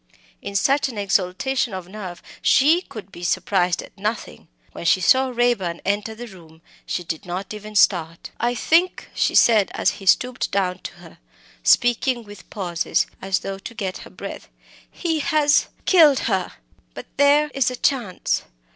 In such an exaltation of nerve she could be surprised at nothing. When she saw Raeburn enter the room, she did not even start. "I think," she said, as he stooped down to her speaking with pauses, as though to get her breath "he has killed her. But there is a chance.